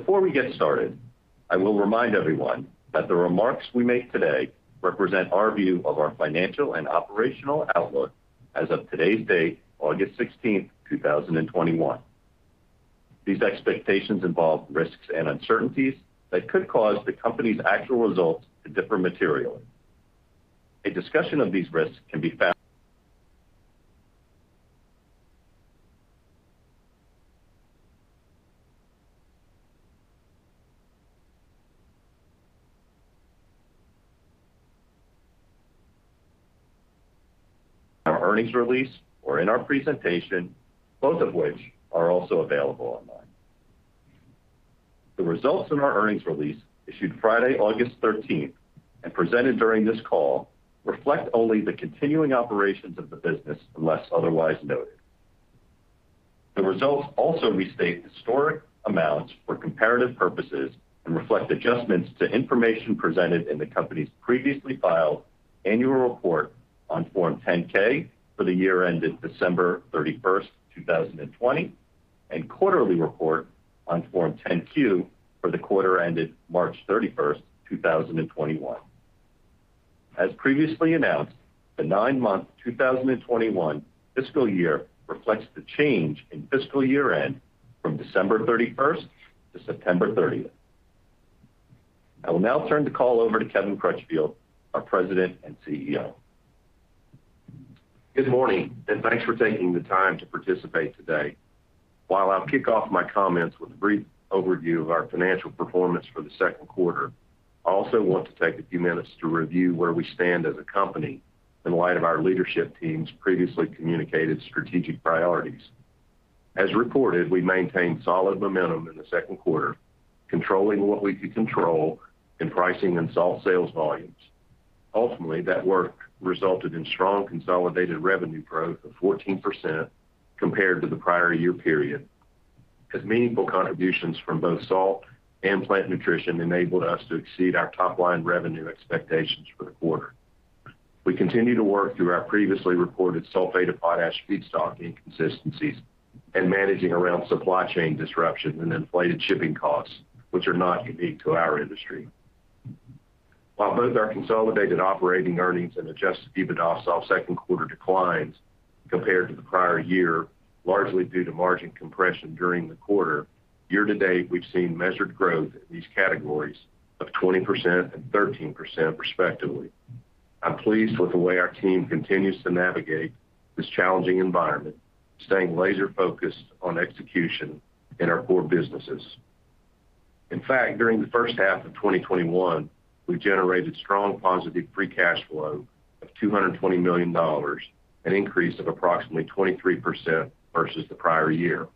Before we get started, I will remind everyone that the remarks we make today represent our view of our financial and operational outlook as of today's date, August 16, 2021. These expectations involve risks and uncertainties that could cause the company's actual results to differ materially. A discussion of these risks can be found in our earnings release or in our presentation, both of which are also available online. The results in our earnings release, issued Friday, August 13, and presented during this call, reflect only the continuing operations of the business unless otherwise noted. The results also restate historic amounts for comparative purposes and reflect adjustments to information presented in the company's previously filed annual report on Form 10-K for the year ended December 31st, 2020, and quarterly report on Form 10-Q for the quarter ended March 31st, 2021. As previously announced, the nine-month 2021 fiscal year reflects the change in fiscal year-end from December 31st to September 30th. I will now turn the call over to Kevin Crutchfield, our President and CEO. Good morning, thanks for taking the time to participate today. While I'll kick off my comments with a brief overview of our financial performance for the second quarter, I also want to take a few minutes to review where we stand as a company in light of our leadership team's previously communicated strategic priorities. As reported, we maintained solid momentum in the second quarter, controlling what we could control in pricing and Salt sales volumes. Ultimately, that work resulted in strong consolidated revenue growth of 14% compared to the prior year period, as meaningful contributions from both Salt and Plant Nutrition enabled us to exceed our top-line revenue expectations for the quarter. We continue to work through our previously reported sulfate of potash feedstock inconsistencies and managing around supply chain disruption and inflated shipping costs, which are not unique to our industry. While both our consolidated operating earnings and adjusted EBITDA saw second quarter declines compared to the prior year, largely due to margin compression during the quarter, year-to-date, we've seen measured growth in these categories of 20% and 13%, respectively. I'm pleased with the way our team continues to navigate this challenging environment, staying laser-focused on execution in our core businesses. In fact, during the first half of 2021, we've generated strong positive free cash flow of $220 million, an increase of approximately 23% versus the prior year.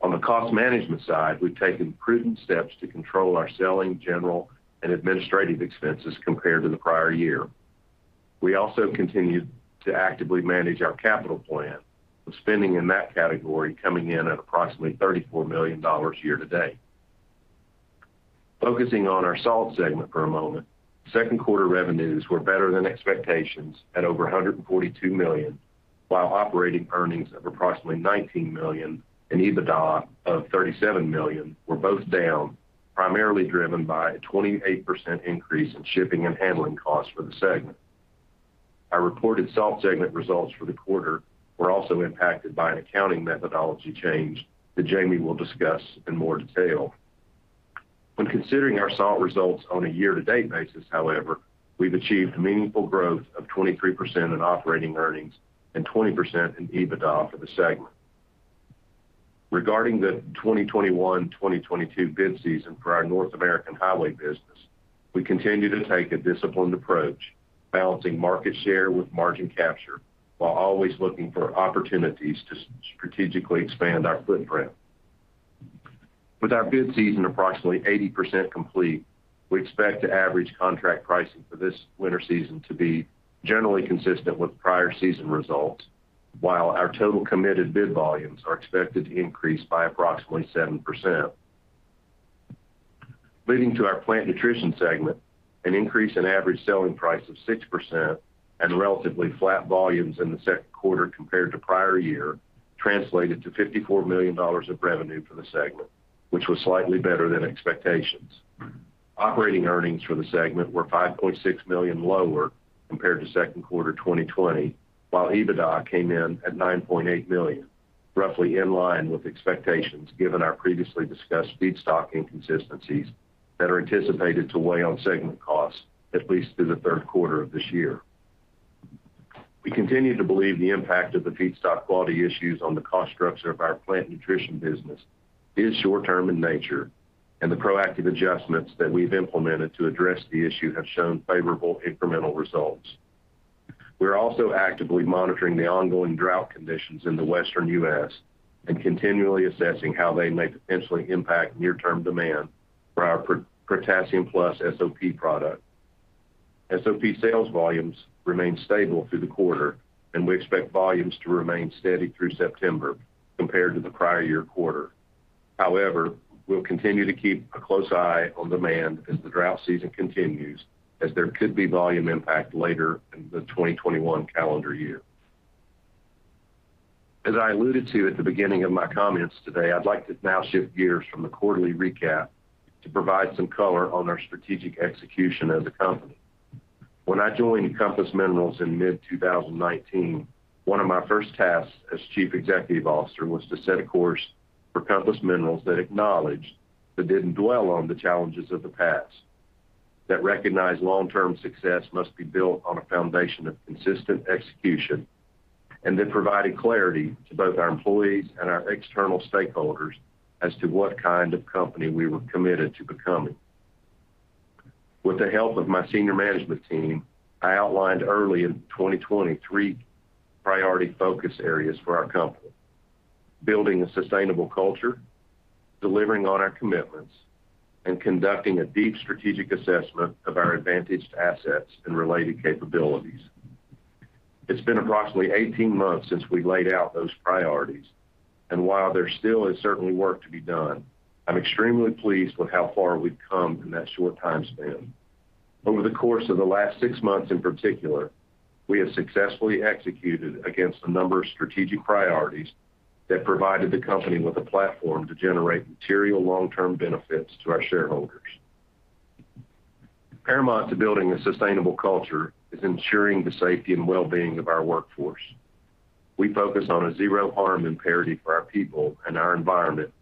On the cost management side, we've taken prudent steps to control our selling, general, and administrative expenses compared to the prior year. We also continue to actively manage our capital plan, with spending in that category coming in at approximately $34 million year-to-date. Focusing on our Salt segment for a moment, second quarter revenues were better than expectations at over $142 million, while operating earnings of approximately $19 million and EBITDA of $37 million were both down, primarily driven by a 28% increase in shipping and handling costs for the segment. Our reported Salt segment results for the quarter were also impacted by an accounting methodology change that Jamie will discuss in more detail. When considering our Salt results on a year-to-date basis, however, we've achieved meaningful growth of 23% in operating earnings and 20% in EBITDA for the segment. Regarding the 2021-2022 bid season for our North American Highway business, we continue to take a disciplined approach, balancing market share with margin capture, while always looking for opportunities to strategically expand our footprint. With our bid season approximately 80% complete, we expect the average contract pricing for this winter season to be generally consistent with prior season results, while our total committed bid volumes are expected to increase by approximately 7%. Leading to our Plant Nutrition segment, an increase in average selling price of 6% and relatively flat volumes in the second quarter compared to prior year translated to $54 million of revenue for the segment, which was slightly better than expectations. Operating earnings for the segment were $5.6 million lower compared to second quarter 2020, while EBITDA came in at $9.8 million, roughly in line with expectations given our previously discussed feedstock inconsistencies that are anticipated to weigh on segment costs at least through the third quarter of this year. We continue to believe the impact of the feedstock quality issues on the cost structure of our Plant Nutrition business is short-term in nature, and the proactive adjustments that we've implemented to address the issue have shown favorable incremental results. We're also actively monitoring the ongoing drought conditions in the Western U.S. and continually assessing how they may potentially impact near-term demand for our Protassium+ SOP product. SOP sales volumes remained stable through the quarter, and we expect volumes to remain steady through September compared to the prior year quarter. However, we'll continue to keep a close eye on demand as the drought season continues, as there could be volume impact later in the 2021 calendar year. As I alluded to at the beginning of my comments today, I'd like to now shift gears from the quarterly recap to provide some color on our strategic execution as a company. When I joined Compass Minerals in mid-2019, one of my first tasks as chief executive officer was to set a course for Compass Minerals that acknowledged, but didn't dwell on the challenges of the past, that recognized long-term success must be built on a foundation of consistent execution, and then provided clarity to both our employees and our external stakeholders as to what kind of company we were committed to becoming. With the help of my senior management team, I outlined early in 2020, three priority focus areas for our company: building a sustainable culture, delivering on our commitments, and conducting a deep strategic assessment of our advantaged assets and related capabilities. It's been approximately 18 months since we laid out those priorities, and while there still is certainly work to be done, I'm extremely pleased with how far we've come in that short time span. Over the course of the last six months, in particular, we have successfully executed against a number of strategic priorities that provided the company with a platform to generate material long-term benefits to our shareholders. Paramount to building a sustainable culture is ensuring the safety and wellbeing of our workforce. We focus on a zero harm imperative for our people and our environment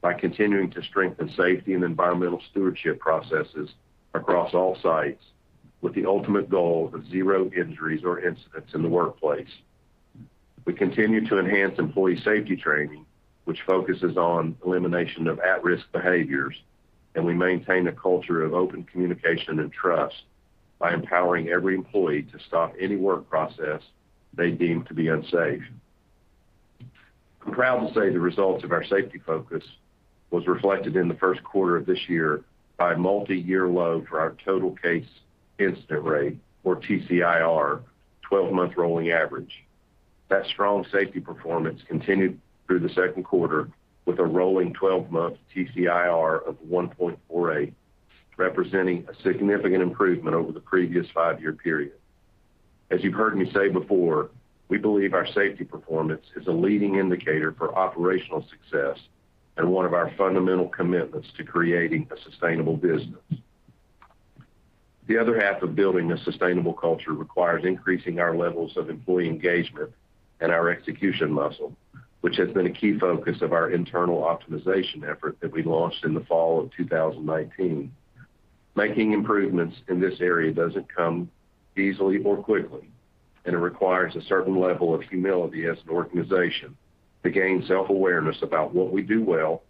by continuing to strengthen safety and environmental stewardship processes across all sites with the ultimate goal of zero injuries or incidents in the workplace. We continue to enhance employee safety training, which focuses on elimination of at-risk behaviors, and we maintain a culture of open communication and trust by empowering every employee to stop any work process they deem to be unsafe. I'm proud to say the results of our safety focus was reflected in the first quarter of this year by a multiyear low for our total case incident rate, or TCIR, 12-month rolling average. That strong safety performance continued through the second quarter with a rolling 12-month TCIR of 1.48, representing a significant improvement over the previous five-year period. As you've heard me say before, we believe our safety performance is a leading indicator for operational success and one of our fundamental commitments to creating a sustainable business. The other half of building a sustainable culture requires increasing our levels of employee engagement and our execution muscle, which has been a key focus of our internal optimization effort that we launched in the fall of 2019. Making improvements in this area doesn't come easily or quickly, and it requires a certain level of humility as an organization to gain self-awareness about what we do well,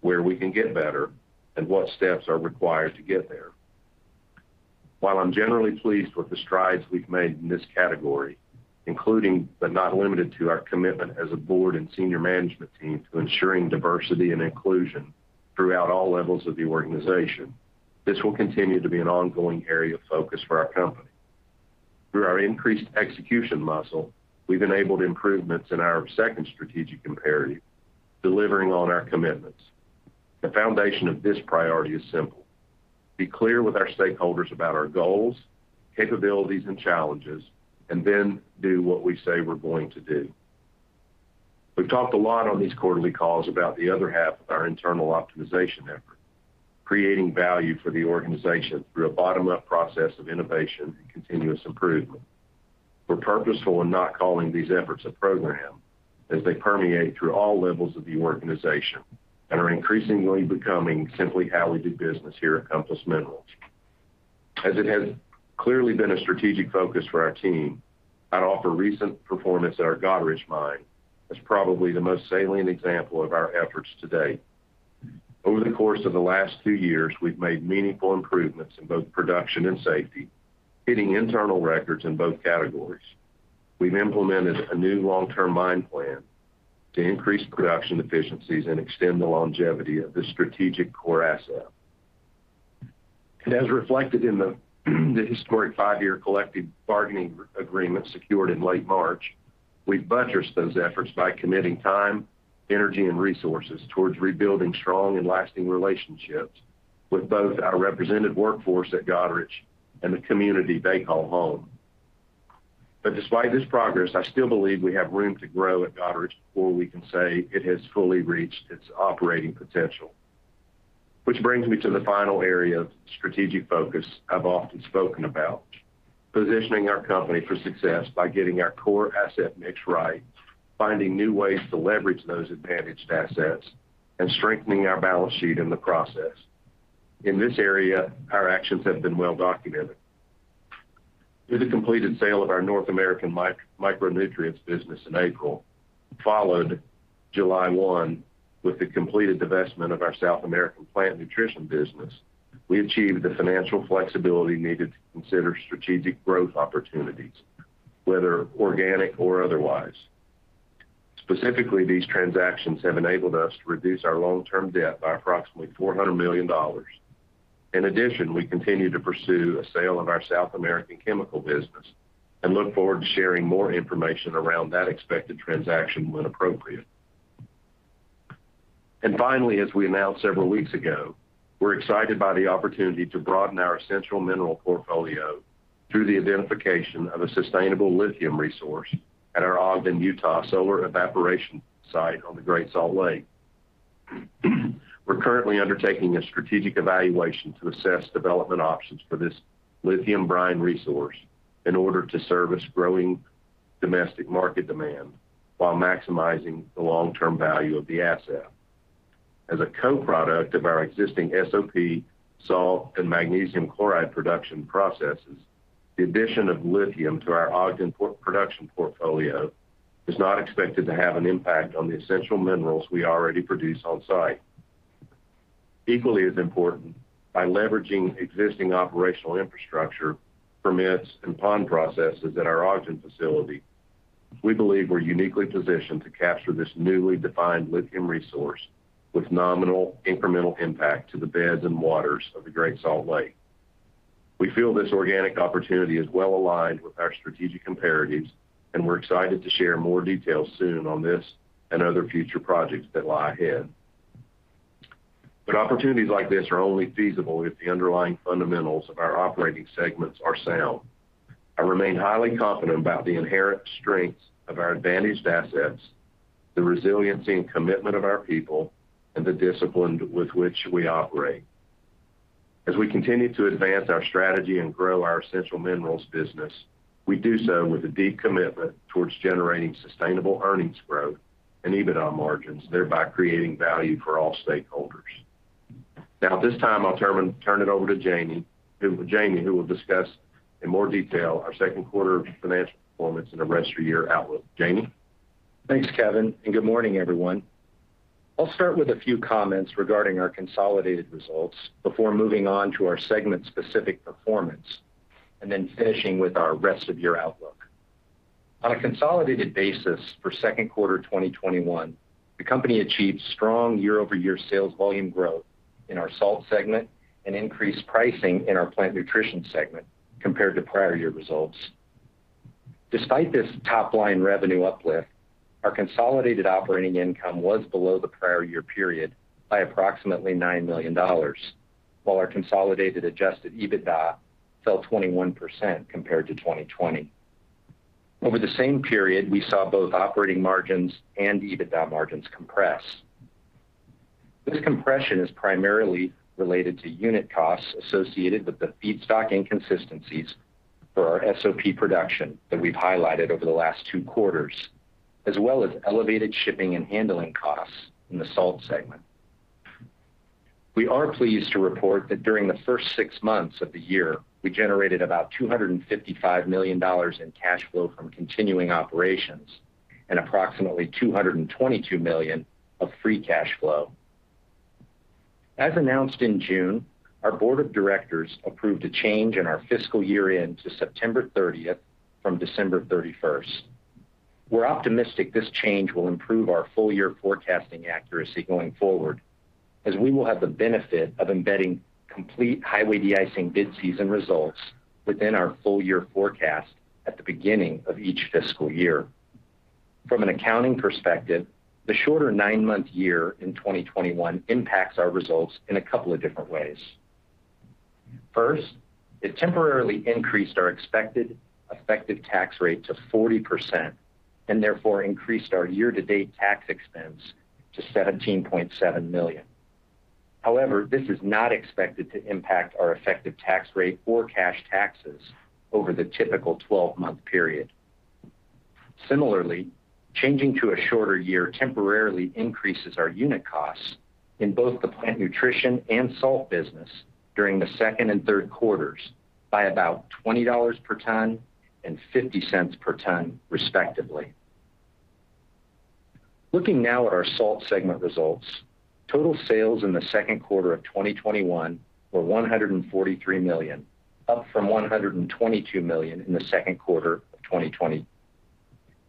where we can get better, and what steps are required to get there. While I'm generally pleased with the strides we've made in this category, including, but not limited to, our commitment as a board and senior management team to ensuring diversity and inclusion throughout all levels of the organization, this will continue to be an ongoing area of focus for our company. Through our increased execution muscle, we've enabled improvements in our second strategic imperative, delivering on our commitments. The foundation of this priority is simple: be clear with our stakeholders about our goals, capabilities, and challenges, and then do what we say we're going to do. We've talked a lot on these quarterly calls about the other half of our internal optimization effort, creating value for the organization through a bottom-up process of innovation and continuous improvement. We're purposeful in not calling these efforts a program, as they permeate through all levels of the organization and are increasingly becoming simply how we do business here at Compass Minerals. As it has clearly been a strategic focus for our team, I'd offer recent performance at our Goderich mine as probably the most salient example of our efforts to date. Over the course of the last two years, we've made meaningful improvements in both production and safety, hitting internal records in both categories. We've implemented a new long-term mine plan to increase production efficiencies and extend the longevity of this strategic core asset. As reflected in the historic five-year collective bargaining agreement secured in late March, we've buttressed those efforts by committing time, energy, and resources towards rebuilding strong and lasting relationships with both our represented workforce at Goderich and the community they call home. Despite this progress, I still believe we have room to grow at Goderich before we can say it has fully reached its operating potential. Which brings me to the final area of strategic focus I've often spoken about, positioning our company for success by getting our core asset mix right, finding new ways to leverage those advantaged assets, and strengthening our balance sheet in the process. In this area, our actions have been well-documented. Through the completed sale of our North American micronutrients business in April, followed July 1 with the completed divestment of our South American Plant Nutrition business. We achieved the financial flexibility needed to consider strategic growth opportunities, whether organic or otherwise. Specifically, these transactions have enabled us to reduce our long-term debt by approximately $400 million. In addition, we continue to pursue a sale of our South American chemical business and look forward to sharing more information around that expected transaction when appropriate. Finally, as we announced several weeks ago, we're excited by the opportunity to broaden our essential mineral portfolio through the identification of a sustainable lithium resource at our Ogden, Utah solar evaporation site on the Great Salt Lake. We're currently undertaking a strategic evaluation to assess development options for this lithium brine resource in order to service growing domestic market demand while maximizing the long-term value of the asset. As a co-product of our existing SOP, salt, and magnesium chloride production processes, the addition of lithium to our Ogden production portfolio is not expected to have an impact on the essential minerals we already produce on-site. Equally as important, by leveraging existing operational infrastructure, permits, and pond processes at our Ogden facility, we believe we're uniquely positioned to capture this newly defined lithium resource with nominal incremental impact to the beds and waters of the Great Salt Lake. Opportunities like this are only feasible if the underlying fundamentals of our operating segments are sound. I remain highly confident about the inherent strengths of our advantaged assets, the resiliency and commitment of our people, and the discipline with which we operate. As we continue to advance our strategy and grow our essential minerals business, we do so with a deep commitment towards generating sustainable earnings growth and EBITDA margins, thereby creating value for all stakeholders. Now, at this time, I'll turn it over to Jamie, who will discuss in more detail our second quarter financial performance and the rest of year outlook. Jamie? Thanks, Kevin, good morning, everyone. I'll start with a few comments regarding our consolidated results before moving on to our segment-specific performance, and then finishing with our rest of year outlook. On a consolidated basis for second quarter 2021, the company achieved strong year-over-year sales volume growth in our Salt segment and increased pricing in our Plant Nutrition segment compared to prior year results. Despite this top-line revenue uplift, our consolidated operating income was below the prior year period by approximately $9 million, while our consolidated adjusted EBITDA fell 21% compared to 2020. Over the same period, we saw both operating margins and EBITDA margins compress. This compression is primarily related to unit costs associated with the feedstock inconsistencies for our SOP production that we've highlighted over the last two quarters, as well as elevated shipping and handling costs in the Salt segment. We are pleased to report that during the first six months of the year, we generated about $255 million in cash flow from continuing operations and approximately $222 million of free cash flow. As announced in June, our board of directors approved a change in our fiscal year-end to September 30th from December 31st. We're optimistic this change will improve our full-year forecasting accuracy going forward, as we will have the benefit of embedding complete Highway Deicing bid season results within our full-year forecast at the beginning of each fiscal year. From an accounting perspective, the shorter nine-month year in 2021 impacts our results in a couple of different ways. First, it temporarily increased our expected effective tax rate to 40% and therefore increased our year-to-date tax expense to $17.7 million. However, this is not expected to impact our effective tax rate or cash taxes over the typical 12-month period. Similarly, changing to a shorter year temporarily increases our unit costs in both the Plant Nutrition and Salt during the second and third quarters by about $20 per ton and $0.50 per ton, respectively. Looking now at our Salt segment results, total sales in the second quarter of 2021 were $143 million, up from $122 million in the second quarter of 2020,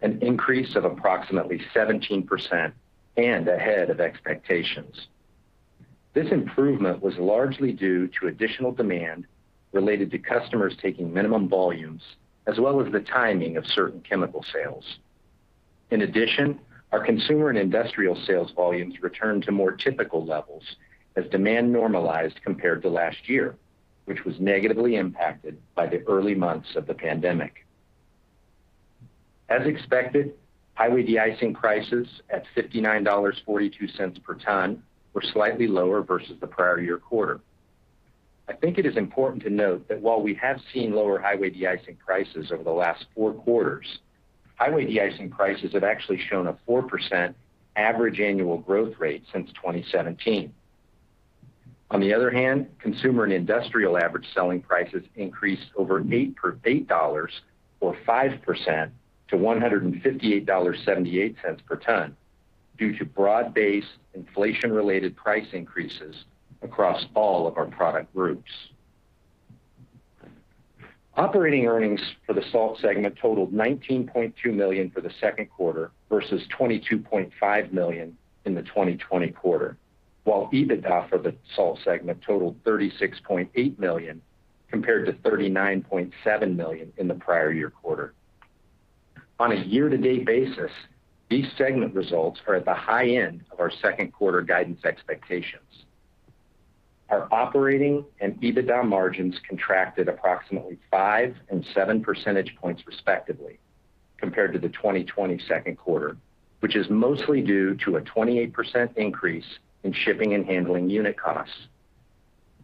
an increase of approximately 17% and ahead of expectations. This improvement was largely due to additional demand related to customers taking minimum volumes, as well as the timing of certain chemical sales. In addition, our Consumer and Industrial sales volumes returned to more typical levels as demand normalized compared to last year, which was negatively impacted by the early months of the pandemic. As expected, Highway Deicing prices at $59.42 per ton were slightly lower versus the prior year quarter. I think it is important to note that while we have seen lower Highway Deicing prices over the last four quarters, Highway Deicing prices have actually shown a 4% average annual growth rate since 2017. On the other hand, Consumer and Industrial average selling prices increased over $8 or 5% to $158.78 per ton due to broad-based inflation-related price increases across all of our product groups. Operating earnings for the Salt segment totaled $19.2 million for the second quarter versus $22.5 million in the 2020 quarter, while EBITDA for the Salt segment totaled $36.8 million compared to $39.7 million in the prior year quarter. On a year-to-date basis, these segment results are at the high end of our second quarter guidance expectations. Our operating and EBITDA margins contracted approximately five and seven percentage points respectively compared to the 2020 second quarter, which is mostly due to a 28% increase in shipping and handling unit costs,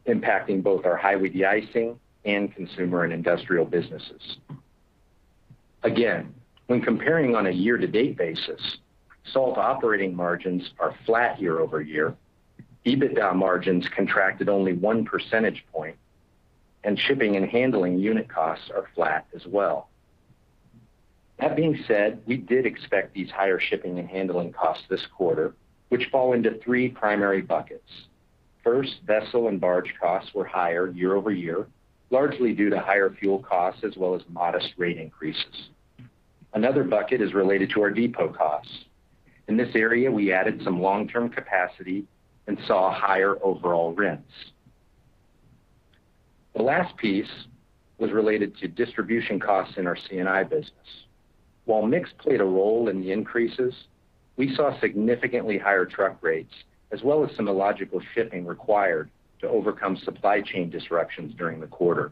impacting both our Highway Deicing and Consumer and Industrial businesses. Again, when comparing on a year-to-date basis, salt operating margins are flat year-over-year, EBITDA margins contracted only one percentage point, and shipping and handling unit costs are flat as well. That being said, we did expect these higher shipping and handling costs this quarter, which fall into three primary buckets. First, vessel and barge costs were higher year-over-year, largely due to higher fuel costs as well as modest rate increases. Another bucket is related to our depot costs. In this area, we added some long-term capacity and saw higher overall rents. The last piece was related to distribution costs in our C&I business. While mix played a role in the increases, we saw significantly higher truck rates, as well as some illogical shipping required to overcome supply chain disruptions during the quarter.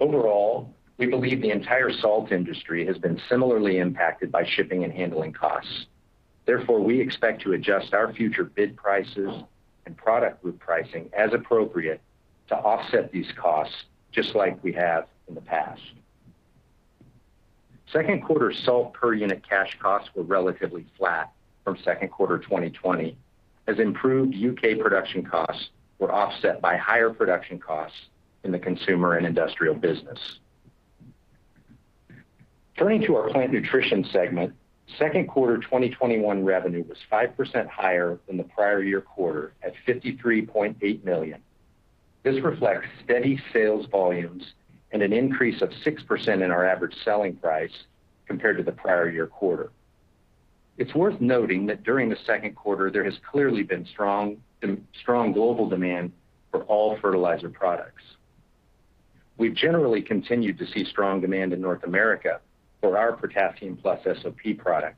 Overall, we believe the entire salt industry has been similarly impacted by shipping and handling costs. Therefore, we expect to adjust our future bid prices and product book pricing as appropriate to offset these costs just like we have in the past. Second quarter salt per unit cash costs were relatively flat from second quarter 2020 as improved U.K. production costs were offset by higher production costs in the Consumer and Industrial business. Turning to our Plant Nutrition segment, second quarter 2021 revenue was 5% higher than the prior year quarter at $53.8 million. This reflects steady sales volumes and an increase of 6% in our average selling price compared to the prior year quarter. It's worth noting that during the second quarter, there has clearly been strong global demand for all fertilizer products. We've generally continued to see strong demand in North America for our Protassium+ SOP product.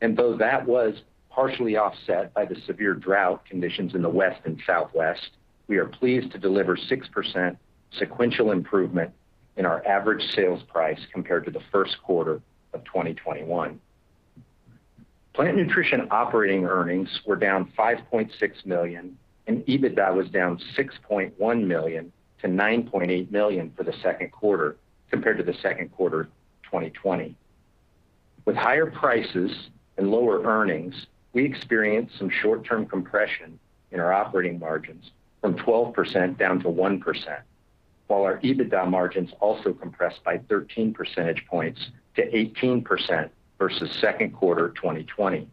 Though that was partially offset by the severe drought conditions in the West and Southwest, we are pleased to deliver 6% sequential improvement in our average sales price compared to the first quarter of 2021. Plant Nutrition operating earnings were down $5.6 million, and EBITDA was down $6.1 million to $9.8 million for the second quarter compared to the second quarter 2020. With higher prices and lower earnings, we experienced some short-term compression in our operating margins from 12% down to 1%, while our EBITDA margins also compressed by 13 percentage points to 18% versus second quarter 2020.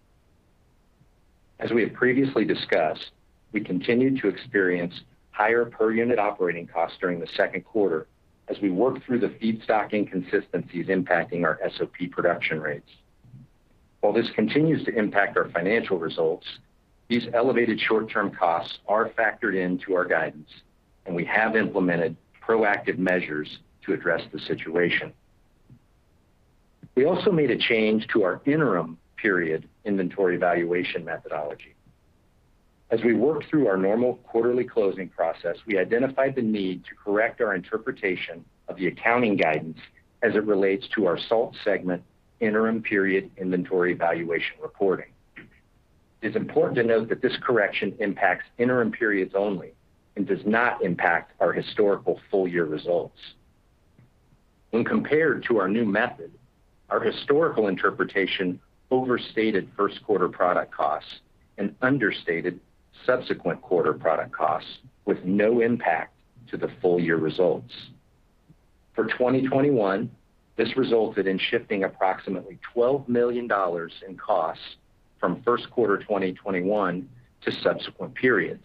As we have previously discussed, we continued to experience higher per unit operating costs during the second quarter as we worked through the feedstock inconsistencies impacting our SOP production rates. While this continues to impact our financial results, these elevated short-term costs are factored into our guidance, and we have implemented proactive measures to address the situation. We also made a change to our interim period inventory valuation methodology. As we worked through our normal quarterly closing process, we identified the need to correct our interpretation of the accounting guidance as it relates to our Salt segment interim period inventory valuation reporting. It's important to note that this correction impacts interim periods only and does not impact our historical full-year results. When compared to our new method, our historical interpretation overstated first quarter product costs and understated subsequent quarter product costs with no impact to the full-year results. For 2021, this resulted in shifting approximately $12 million in costs from first quarter 2021 to subsequent periods.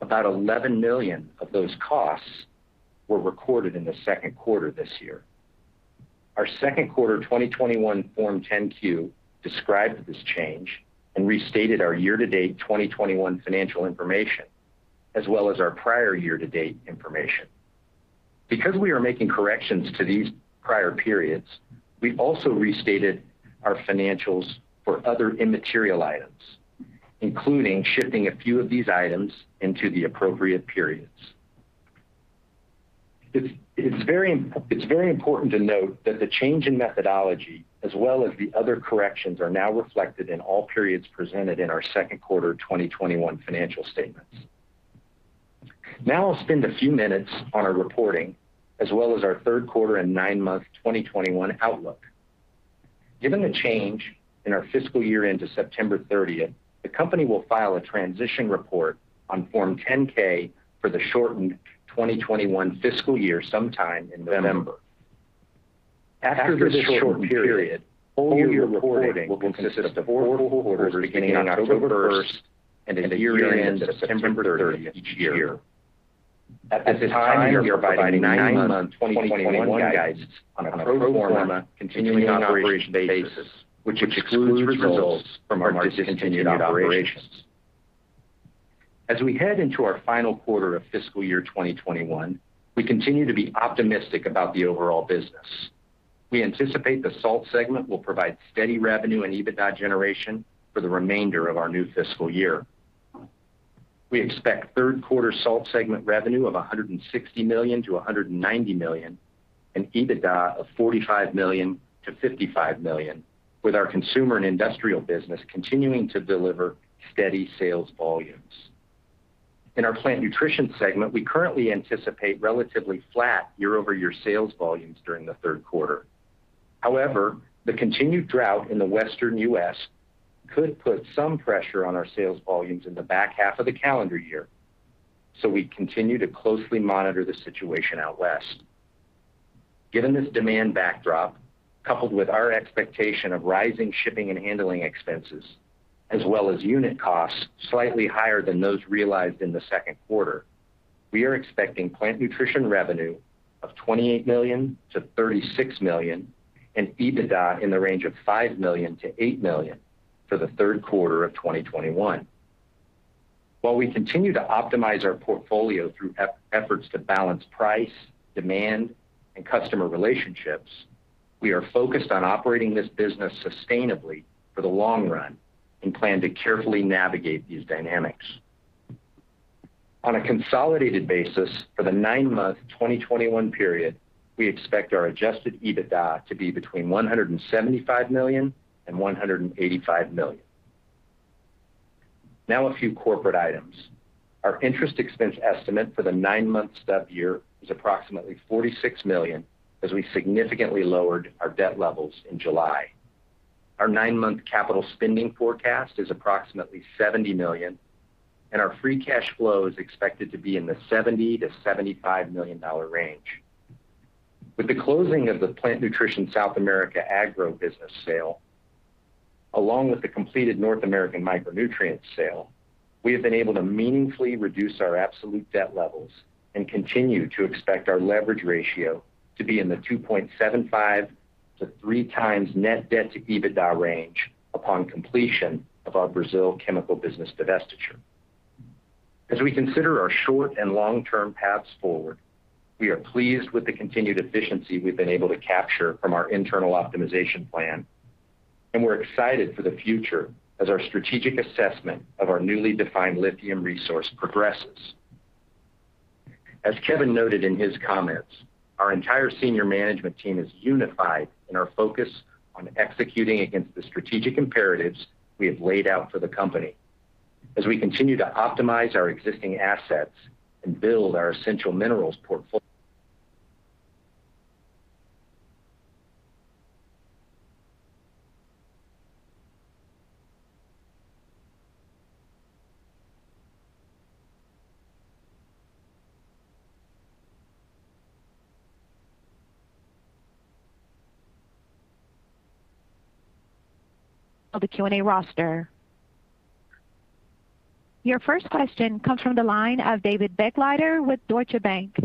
About $11 million of those costs were recorded in the second quarter this year. Our second quarter 2021 Form 10-Q described this change and restated our year-to-date 2021 financial information, as well as our prior year-to-date information. Because we are making corrections to these prior periods, we've also restated our financials for other immaterial items, including shifting a few of these items into the appropriate periods. It's very important to note that the change in methodology as well as the other corrections are now reflected in all periods presented in our second quarter 2021 financial statements. I'll spend a few minutes on our reporting as well as our third quarter and nine-month 2021 outlook. Given the change in our fiscal year-end to September 30th, the company will file a transition report on Form 10-K for the shortened 2021 fiscal year sometime in November. After this shortened period, full-year reporting will consist of four full quarters beginning October 1st and a year end September 30th each year. At this time, we are providing nine-month 2021 guidance on a pro forma continuing operations basis, which excludes results from our discontinued operations. As we head into our final quarter of fiscal year 2021, we continue to be optimistic about the overall business. We anticipate the Salt segment will provide steady revenue and EBITDA generation for the remainder of our new fiscal year. We expect third quarter Salt segment revenue of $160 million-$190 million, and EBITDA of $45 million-$55 million, with our Consumer and Industrial business continuing to deliver steady sales volumes. In our Plant Nutrition segment, we currently anticipate relatively flat year-over-year sales volumes during the third quarter. The continued drought in the Western U.S. could put some pressure on our sales volumes in the back half of the calendar year, we continue to closely monitor the situation out west. Given this demand backdrop, coupled with our expectation of rising shipping and handling expenses, as well as unit costs slightly higher than those realized in the second quarter, we are expecting Plant Nutrition revenue of $28 million-$36 million, and EBITDA in the range of $5 million-$8 million for the third quarter of 2021. While we continue to optimize our portfolio through efforts to balance price, demand, and customer relationships, we are focused on operating this business sustainably for the long run and plan to carefully navigate these dynamics. On a consolidated basis for the nine-month 2021 period, we expect our adjusted EBITDA to be between $175 million and $185 million. A few corporate items. Our interest expense estimate for the nine months of year is approximately $46 million, as we significantly lowered our debt levels in July. Our nine-month capital spending forecast is approximately $70 million. Our free cash flow is expected to be in the $70 million-$75 million range. With the closing of the Plant Nutrition South America agro business sale, along with the completed North American micronutrient sale, we have been able to meaningfully reduce our absolute debt levels and continue to expect our leverage ratio to be in the 2.75x-3x net debt to EBITDA range upon completion of our Brazil chemical business divestiture. As we consider our short and long-term paths forward, we are pleased with the continued efficiency we've been able to capture from our internal optimization plan, and we're excited for the future as our strategic assessment of our newly defined lithium resource progresses. As Kevin noted in his comments, our entire senior management team is unified in our focus on executing against the strategic imperatives we have laid out for the company. As we continue to optimize our existing assets and build our essential minerals portfo- Of the Q&A roster. Your first question comes from the line of David Begleiter with Deutsche Bank.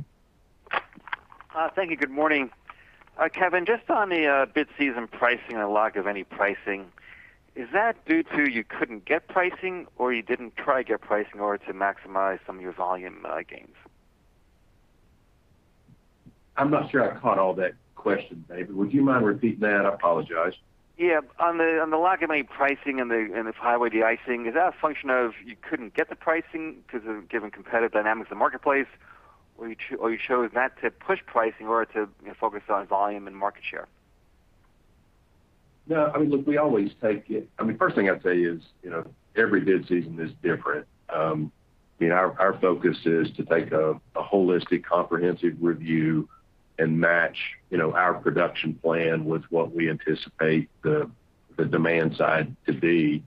Thank you. Good morning. Kevin, just on the bid season pricing and the lack of any pricing, is that due to you couldn't get pricing or you didn't try to get pricing in order to maximize some of your volume gains? I'm not sure I caught all that question, David. Would you mind repeating that? I apologize. Yeah. On the lack of any pricing in this Highway Deicing, is that a function of you couldn't get the pricing because of given competitive dynamics in the marketplace, or you chose not to push pricing in order to focus on volume and market share? No. The first thing I'd say is every bid season is different. Our focus is to take a holistic comprehensive review and match our production plan with what we anticipate the demand side to be.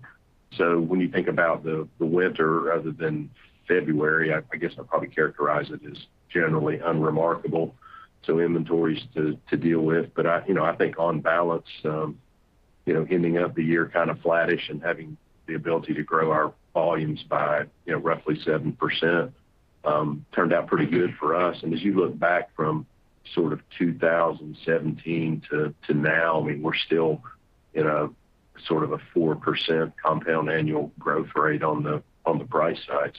When you think about the winter rather than February, I guess I'd probably characterize it as generally unremarkable to inventories to deal with. I think on balance, ending up the year kind of flattish and having the ability to grow our volumes by roughly 7% turned out pretty good for us. As you look back from 2017 to now, we're still in a 4% compound annual growth rate on the price side.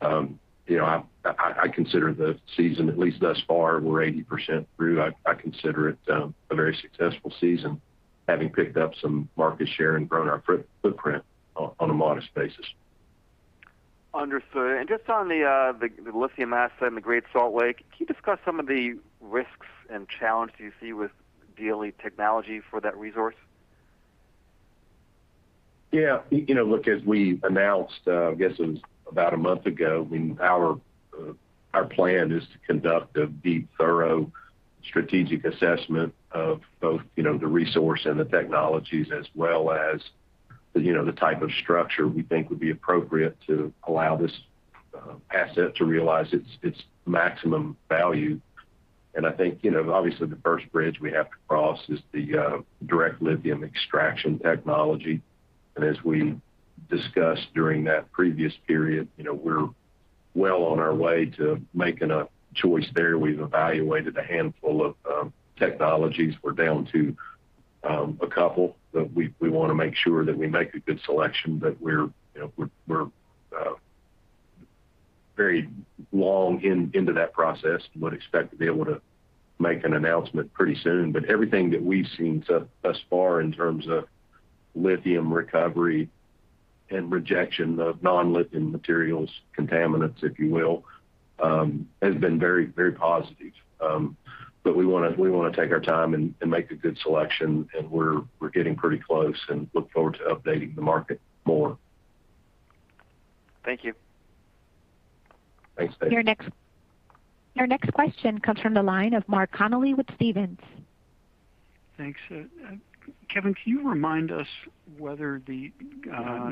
I consider the season, at least thus far, we're 80% through, I consider it a very successful season, having picked up some market share and grown our footprint on a modest basis. Understood. Just on the lithium asset and the Great Salt Lake, can you discuss some of the risks and challenges you see with DLE technology for that resource? Yeah. As we announced, I guess it was about a month ago, our plan is to conduct a deep, thorough strategic assessment of both the resource and the technologies as well as the type of structure we think would be appropriate to allow this asset to realize its maximum value. I think obviously the first bridge we have to cross is the direct lithium extraction technology. As we discussed during that previous period, we're on our way to making a choice there. We've evaluated a handful of technologies. We're down to a couple that we want to make sure that we make a good selection, but we're very long into that process and would expect to be able to make an announcement pretty soon. Everything that we've seen thus far in terms of lithium recovery and rejection of non-lithium materials, contaminants, if you will, has been very positive. We want to take our time and make a good selection, and we're getting pretty close and look forward to updating the market more. Thank you. Thanks, David. Your next question comes from the line of Mark Connelly with Stephens. Thanks. Kevin, can you remind us whether the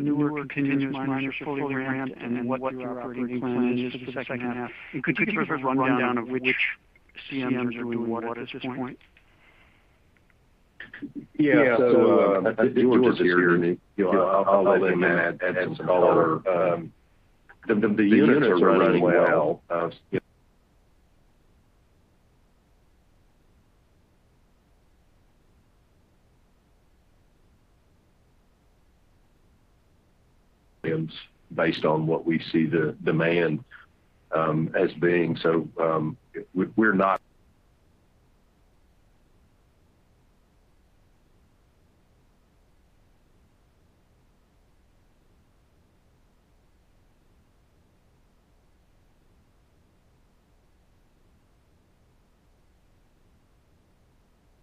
newer continuous miners are fully ramped and what your operating plan is for the second half? Could you give us a rundown of which CMs are doing what at this point? Yeah. George is here. I'll let him add some color. The units are running well based on what we see the demand as being. we're not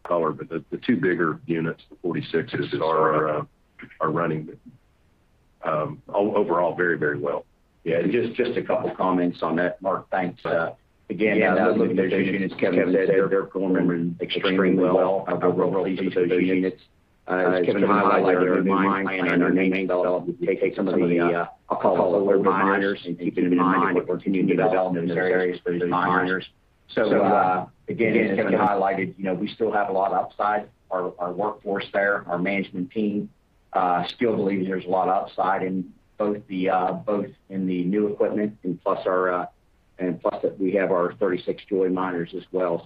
color, but the two bigger units, the 46's are running overall very well. Yeah, just a couple of comments on that, Mark. Thanks. Again, those new units, Kevin said they're performing extremely well. I'm real pleased with those units. As Kevin highlighted, our new mine plan and our main development takes some of the, I'll call it older miners and keeps them in mind, but continue to develop in those areas for these miners. Again, as Kevin highlighted, we still have a lot upside our workforce there, our management team still believes there's a lot upside in both in the new equipment and plus we have our 36 Joy miners as well.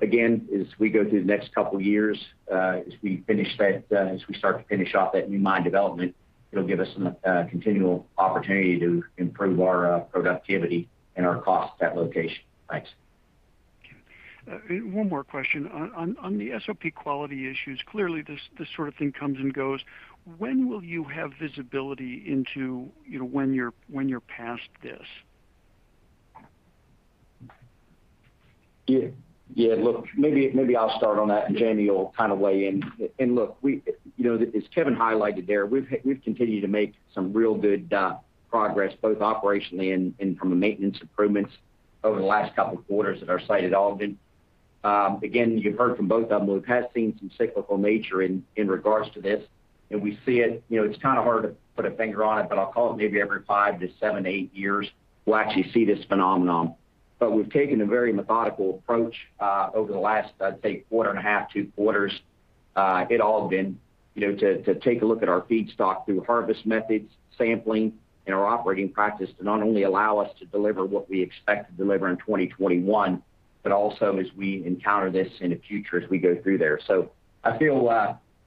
Again, as we go through the next couple of years, as we start to finish off that new mine development, it'll give us a continual opportunity to improve our productivity and our cost at location. Thanks. Okay. One more question. On the SOP quality issues, clearly this sort of thing comes and goes. When will you have visibility into when you're past this? Yeah. Look, maybe I'll start on that and Jamie will kind of weigh in. Look, as Kevin highlighted there, we've continued to make some real good progress both operationally and from a maintenance improvements over the last two quarters at our site at Ogden. Again, you've heard from both of them. We have seen some cyclical nature in regards to this, and we see it. It's kind of hard to put a finger on it, but I'll call it maybe every five to seven, eight years, we'll actually see this phenomenon. We've taken a very methodical approach over the last, I'd say, quarter and a half, two quarters at Ogden to take a look at our feedstock through harvest methods, sampling in our operating practice to not only allow us to deliver what we expect to deliver in 2021, but also as we encounter this in the future as we go through there.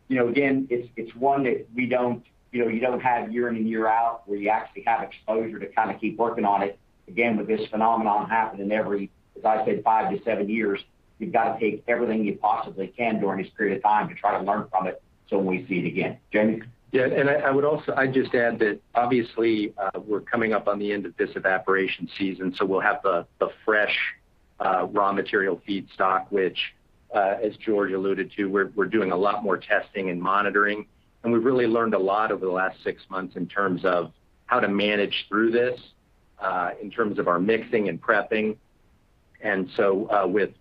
I feel again, it's one that you don't have year in and year out where you actually have exposure to kind of keep working on it. With this phenomenon happening every, as I said, five to seven years, you've got to take everything you possibly can during this period of time to try to learn from it so when we see it again. Jamie? I'd just add that obviously, we're coming up on the end of this evaporation season, so we'll have the fresh raw material feedstock, which, as George alluded to, we're doing a lot more testing and monitoring, and we've really learned a lot over the last six months in terms of how to manage through this, in terms of our mixing and prepping.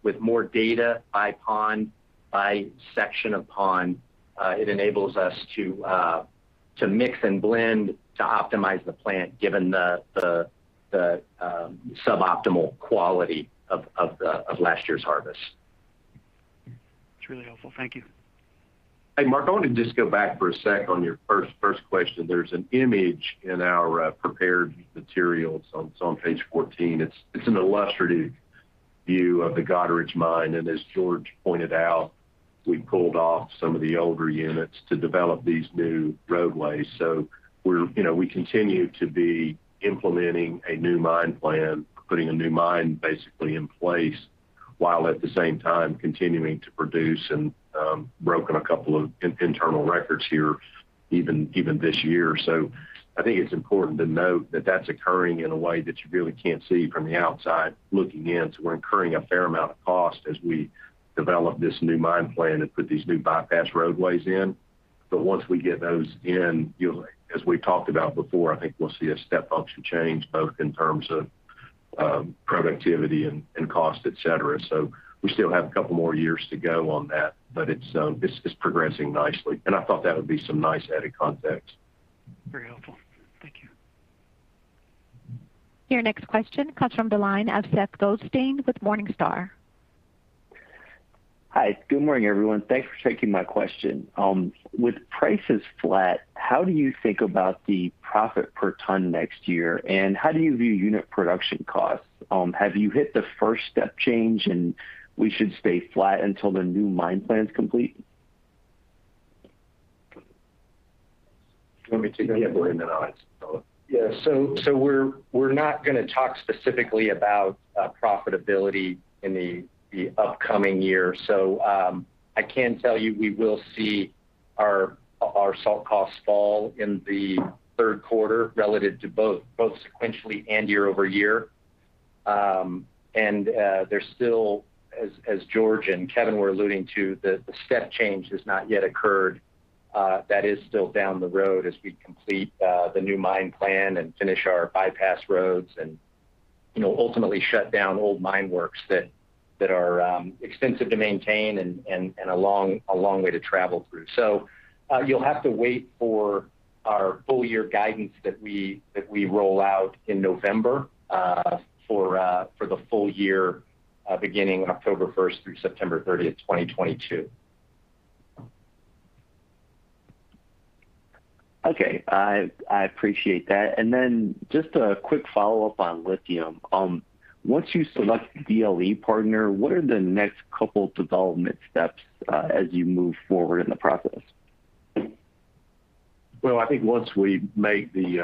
With more data by pond, by section of pond, it enables us to mix and blend to optimize the plant given the suboptimal quality of last year's harvest. It's really helpful. Thank you. Hey, Mark, I want to just go back for a sec on your first question. There's an image in our prepared materials on page 14. It's an illustrative view of the Goderich mine, and as George pointed out, we pulled off some of the older units to develop these new roadways. We continue to be implementing a new mine plan, putting a new mine basically in place, while at the same time continuing to produce and broken a couple of internal records here even this year. I think it's important to note that that's occurring in a way that you really can't see from the outside looking in. We're incurring a fair amount of cost as we develop this new mine plan and put these new bypass roadways in. Once we get those in, as we talked about before, I think we'll see a step function change both in terms of productivity and cost, et cetera. We still have a couple more years to go on that, but it's progressing nicely, and I thought that would be some nice added context. Very helpful. Thank you. Your next question comes from the line of Seth Goldstein with Morningstar. Hi. Good morning, everyone. Thanks for taking my question. With prices flat, how do you think about the profit per ton next year, and how do you view unit production costs? Have you hit the first step change and we should stay flat until the new mine plan's complete? You want me to take that? Yeah, go ahead and then I'll answer both. Yeah. We're not going to talk specifically about profitability in the upcoming year. I can tell you we will see our Salt costs fall in the third quarter relative to both sequentially and year-over-year. There's still, as George and Kevin were alluding to, the step change has not yet occurred. That is still down the road as we complete the new mine plan and finish our bypass roads and ultimately shut down old mine works that are extensive to maintain and a long way to travel through. You'll have to wait for our full-year guidance that we roll out in November for the full-year beginning October 1st through September 30th, 2022. Okay. I appreciate that. Just a quick follow-up on lithium. Once you select the DLE partner, what are the next couple development steps as you move forward in the process? I think once we make the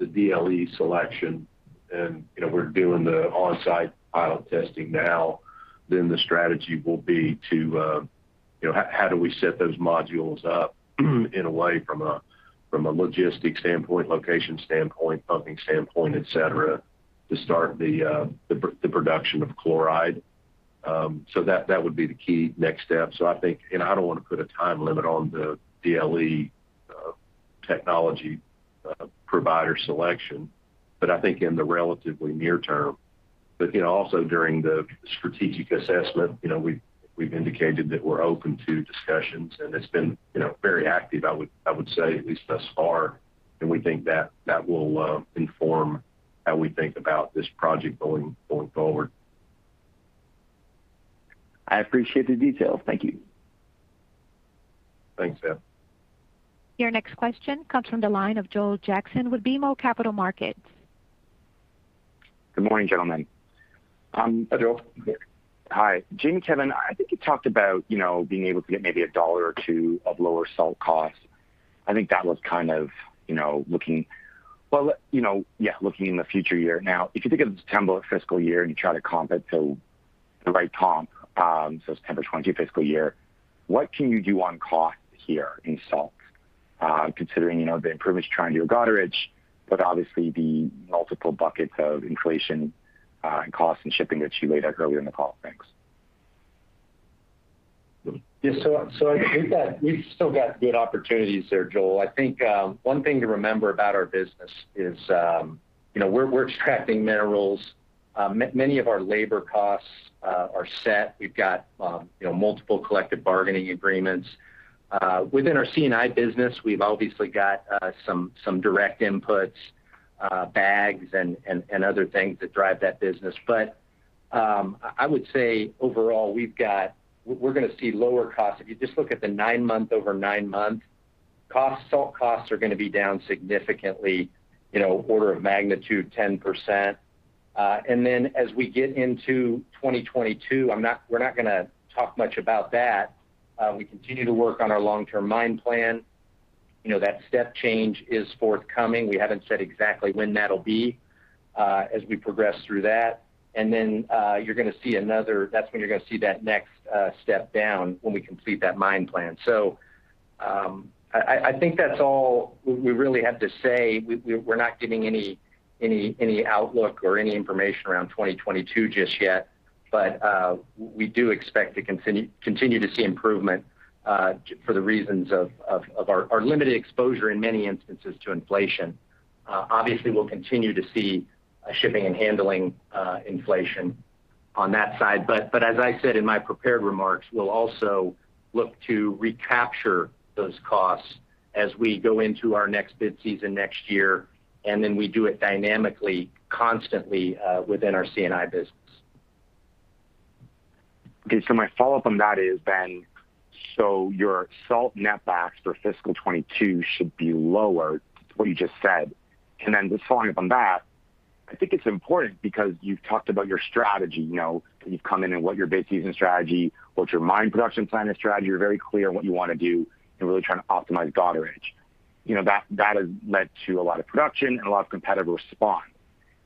DLE selection, and we're doing the on-site pilot testing now, then the strategy will be how do we set those modules up in a way from a logistics standpoint, location standpoint, pumping standpoint, et cetera, to start the production of chloride. That would be the key next step. I think, and I don't want to put a time limit on the DLE technology provider selection, but I think in the relatively near term. Also during the strategic assessment, we've indicated that we're open to discussions and it's been very active, I would say, at least thus far, and we think that will inform how we think about this project going forward. I appreciate the details. Thank you. Thanks, Seth. Your next question comes from the line of Joel Jackson with BMO Capital Markets. Good morning, gentlemen. Hi, Joel. Hi. Jamie and Kevin, I think you talked about being able to get maybe $1 or $2 of lower Salt costs. I think that was kind of looking in the future year. Now, if you think of the September fiscal year and you try to comp it, so the right comp, so September 2022 fiscal year, what can you do on cost here in Salt? Considering, the improvements you're trying to do at Goderich, but obviously the multiple buckets of inflation and cost and shipping that you laid out earlier in the call. Thanks. Yeah. I think we've still got good opportunities there, Joel. I think one thing to remember about our business is we're extracting minerals. Many of our labor costs are set. We've got multiple collective bargaining agreements. Within our C&I business, we've obviously got some direct inputs, bags and other things that drive that business. I would say overall, we're going to see lower costs. If you just look at the nine-month over nine-month costs, salt costs are going to be down significantly, order of magnitude 10%. As we get into 2022, we're not going to talk much about that. We continue to work on our long-term mine plan. That step change is forthcoming. We haven't said exactly when that'll be as we progress through that. That's when you're going to see that next step down when we complete that mine plan. I think that's all we really have to say. We're not giving any outlook or any information around 2022 just yet. We do expect to continue to see improvement for the reasons of our limited exposure in many instances to inflation. Obviously, we'll continue to see shipping and handling inflation on that side, but as I said in my prepared remarks, we'll also look to recapture those costs as we go into our next bid season next year, and then we do it dynamically, constantly within our C&I business. Okay. My follow-up on that is, so your Salt net backs for fiscal 2022 should be lower to what you just said. Just following up on that, I think it's important because you've talked about your strategy. You've come in and what your bid season strategy, what your mine production plan and strategy are. You're very clear on what you want to do and really trying to optimize Goderich. That has led to a lot of production and a lot of competitive response.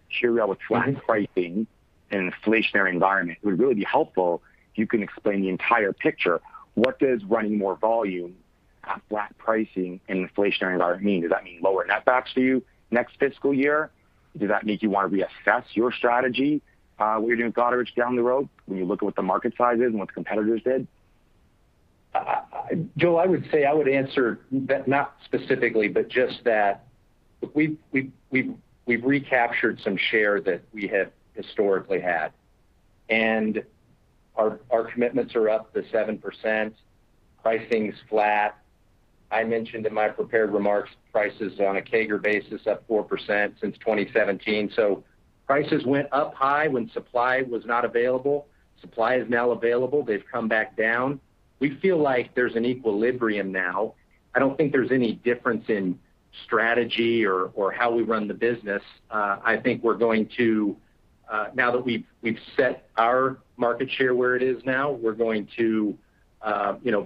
Should you be able to track pricing and inflationary environment. It would really be helpful if you can explain the entire picture. What does running more volume at flat pricing in an inflationary environment mean? Does that mean lower net backs for you next fiscal year? Does that make you want to reassess your strategy when you're doing Goderich down the road when you look at what the market size is and what the competitors did? Joel, I would answer that not specifically, but just that we've recaptured some share that we had historically had. Our commitments are up the 7%. Pricing's flat. I mentioned in my prepared remarks, prices on a CAGR basis up 4% since 2017. Prices went up high when supply was not available. Supply is now available. They've come back down. We feel like there's an equilibrium now. I don't think there's any difference in strategy or how we run the business. I think now that we've set our market share where it is now, we're going to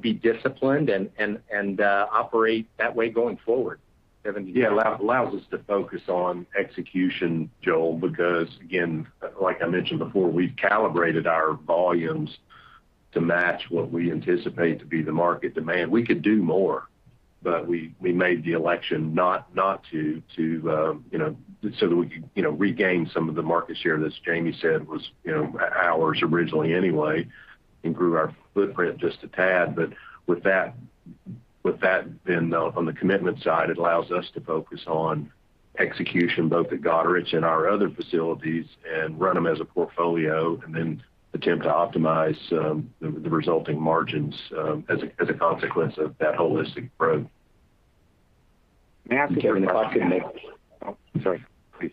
be disciplined and operate that way going forward. Kevin, do you allows us to focus on execution, Joel, because again, like I mentioned before, we've calibrated our volumes to match what we anticipate to be the market demand. We could do more, but we made the election not to, so that we could regain some of the market share that Jamie said was ours originally anyway, improve our footprint just a tad. With that then on the commitment side, it allows us to focus on execution, both at Goderich and our other facilities, and run them as a portfolio, and then attempt to optimize the resulting margins as a consequence of that holistic approach. Kevin, if I could make. Oh, sorry. Please.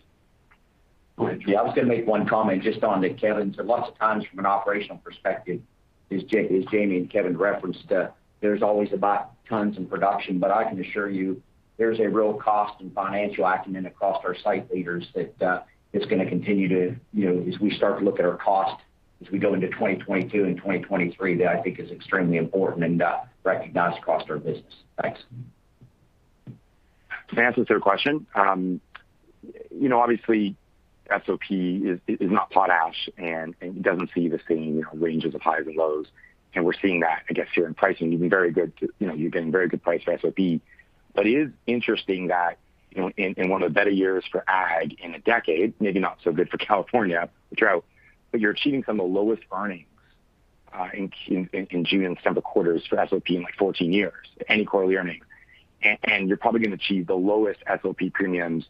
Go ahead, Joel. I was going to make one comment just on that, Kevin, lots of times from an operational perspective, as Jamie and Kevin referenced, there's always about tons in production. I can assure you, there's a real cost and financial acumen across our site leaders that is going to continue to, as we start to look at our cost, as we go into 2022 and 2023, that I think is extremely important and recognized across our business. Thanks. To answer your question, obviously SOP is not potash, and it doesn't see the same ranges of highs and lows. We're seeing that, I guess, here in pricing. You're getting very good price for SOP. It is interesting that in one of the better years for ag in a decade, maybe not so good for California, drought, but you're achieving some of the lowest earnings in June and December quarters for SOP in like 14 years, annual earnings. You're probably going to achieve the lowest SOP premiums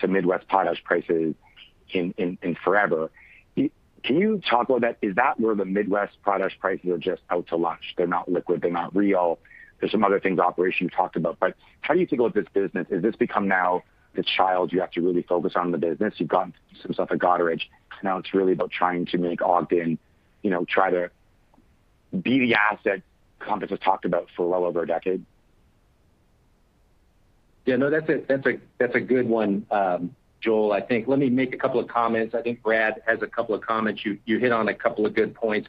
to Midwest potash prices in forever. Can you talk about that? Is that where the Midwest potash prices are just out to lunch? They're not liquid, they're not real. There's some other things operational you talked about, but how do you think about this business? Has this become now the child you have to really focus on the business? You've gotten some stuff at Goderich, now it's really about trying to make Ogden try to be the asset Compass has talked about for well over a decade. Yeah. No, that's a good one, Joel. I think, let me make a couple of comments. I think Brad has a couple of comments. You hit on a couple of good points,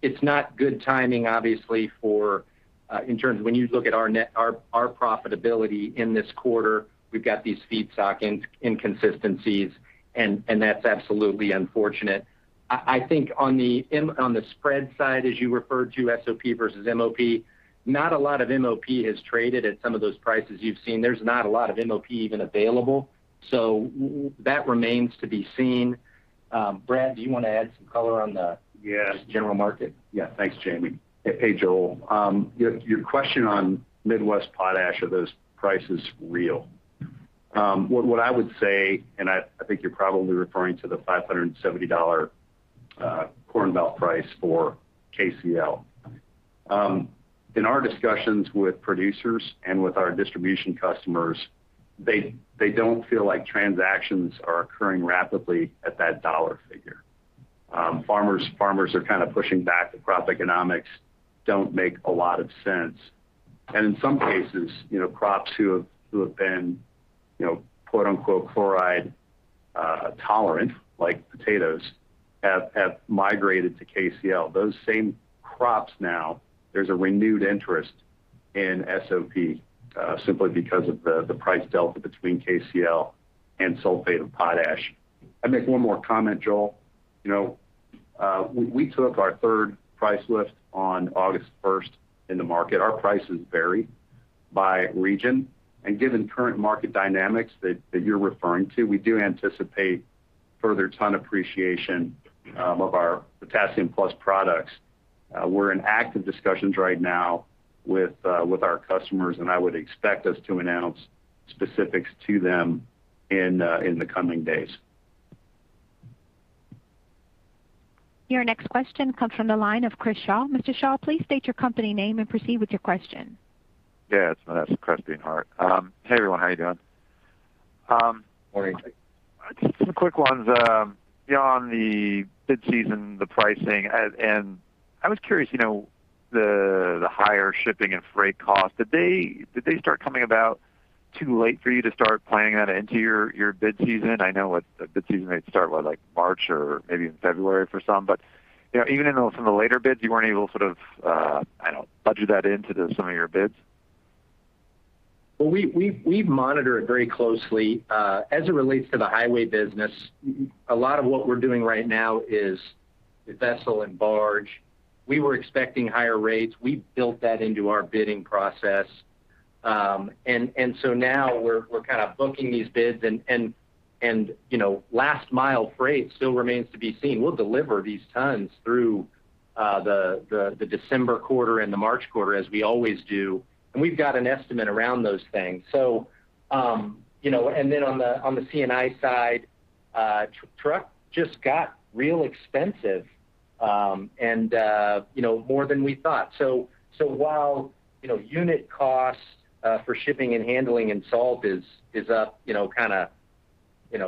it's not good timing, obviously, in terms of when you look at our profitability in this quarter, we've got these feedstock inconsistencies, and that's absolutely unfortunate. I think on the spread side, as you referred to, SOP versus MOP, not a lot of MOP has traded at some of those prices you've seen. There's not a lot of MOP even available. That remains to be seen. Brad, do you want to add some color on the- Yes just general market? Yeah, thanks, Jamie. Hey, Joel. Your question on Midwest potash, are those prices real? What I would say, and I think you're probably referring to the $570 Corn Belt price for KCL. In our discussions with producers and with our distribution customers, they don't feel like transactions are occurring rapidly at that dollar figure. Farmers are kind of pushing back. The crop economics don't make a lot of sense. In some cases, crops who have been "chloride tolerant" like potatoes, have migrated to KCL. Those same crops now, there's a renewed interest in SOP, simply because of the price delta between KCL and sulfate of potash. I'd make one more comment, Joel. We took our third price lift on August 1st in the market. Our prices vary by region, and given current market dynamics that you're referring to, we do anticipate further ton appreciation of our Protassium+ products. We're in active discussions right now with our customers, and I would expect us to announce specifics to them in the coming days. Your next question comes from the line of Chris Shaw. Mr. Shaw, please state your company name and proceed with your question. Yeah. It's Chris at Monness, Crespi, Hardt & Co. Hey, everyone. How you doing? Morning. Just some quick ones. Beyond the bid season, the pricing, and I was curious, the higher shipping and freight costs, did they start coming about too late for you to start planning that into your bid season? I know a bid season might start what, like March or maybe in February for some. Even in some of the later bids, you weren't able to sort of, I don't know, budget that into some of your bids? We monitor it very closely. As it relates to the Highway business, a lot of what we're doing right now is vessel and barge. We were expecting higher rates. We built that into our bidding process. Now we're kind of booking these bids and last mile freight still remains to be seen. We'll deliver these tons through the December quarter and the March quarter, as we always do, and we've got an estimate around those things. On the C&I side, truck just got real expensive, and more than we thought. While unit costs for shipping and handling and salt is up $6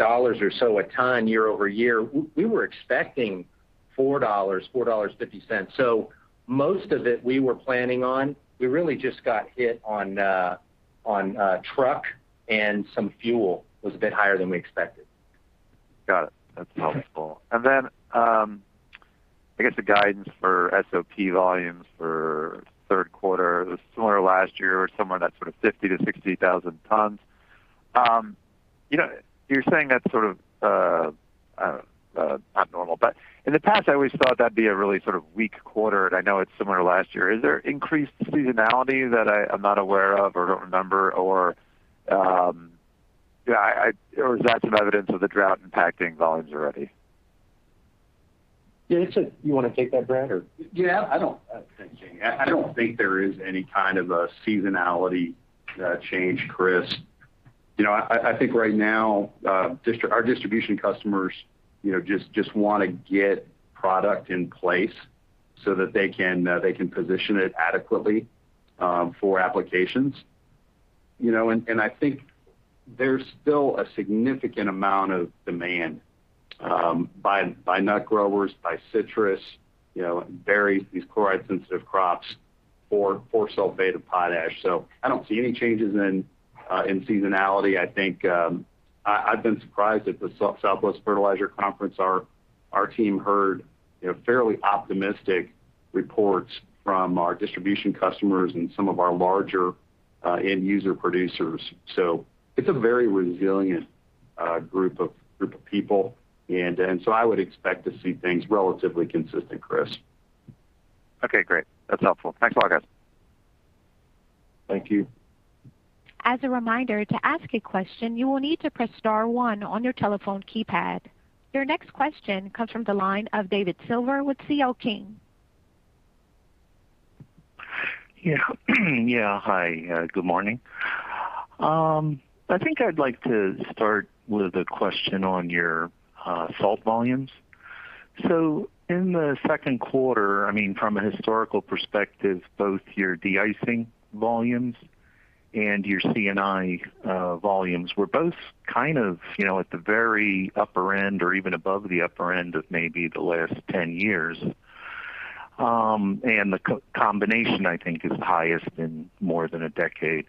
or so a ton year-over-year, we were expecting $4, $4.50. Most of it we were planning on, we really just got hit on truck and some fuel was a bit higher than we expected. Got it. That's helpful. I guess the guidance for SOP volumes for third quarter was similar last year or somewhere in that sort of 50,000 tons-60,000 tons. You're saying that's sort of not normal, but in the past, I always thought that'd be a really sort of weak quarter, and I know it's similar to last year. Is there increased seasonality that I'm not aware of or don't remember or is that some evidence of the drought impacting volumes already? Yes, do you want to take that, Brad? Yeah. I don't think there is any kind of a seasonality change, Chris. I think right now our distribution customers just want to get product in place so that they can position it adequately for applications. I think there's still a significant amount of demand by nut growers, by citrus, berries, these chloride-sensitive crops for sulfate and potash. I don't see any changes in seasonality. I've been surprised at the Southwestern Fertilizer Conference, our team heard fairly optimistic reports from our distribution customers and some of our larger end user producers. It's a very resilient group of people, and so I would expect to see things relatively consistent, Chris. Okay, great. That's helpful. Thanks a lot, guys. Thank you. As a reminder, to ask a question, you will need to press star one on your telephone keypad. Your next question comes from the line of David Silver with CL King. Yeah hi. Good morning. I think I'd like to start with a question on your Salt volumes. In the second quarter, from a historical perspective, both your deicing volumes and your C&I volumes were both kind of at the very upper end or even above the upper end of maybe the last 10 years. The combination, I think, is highest in more than a decade.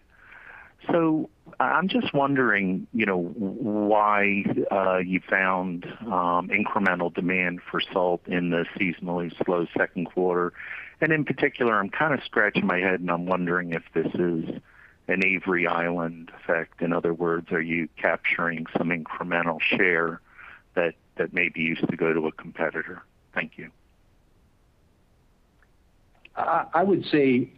I'm just wondering why you found incremental demand for Salt in the seasonally slow second quarter. In particular, I'm kind of scratching my head and I'm wondering if this is an Avery Island effect. In other words, are you capturing some incremental share that maybe used to go to a competitor? Thank you. I would say